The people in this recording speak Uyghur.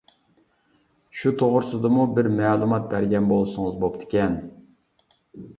شۇ توغرىسىدىمۇ بىر مەلۇمات بەرگەن بولسىڭىز بوپتىكەن.